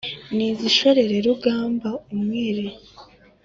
N’izishoreye Rugabo* umwiri*.